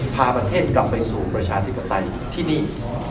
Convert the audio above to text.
พาประเทศกลับไปสู่ประชาธิปไตยที่นี่